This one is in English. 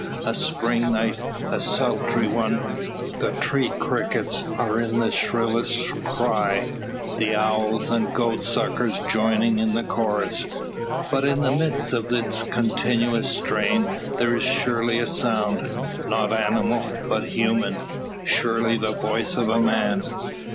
A spring night, a sultry one, the tree crickets are in shrillest cry, the owls and goatsuckers joining in the chorus. But in the midst of its continuous strain there is surely a sound, not animal, but human? Surely the voice of a man?